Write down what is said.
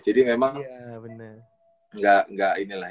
jadi memang enggak enggak ini lah